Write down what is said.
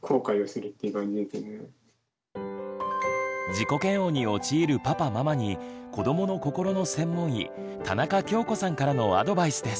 自己嫌悪に陥るパパママに子どもの心の専門医田中恭子さんからのアドバイスです。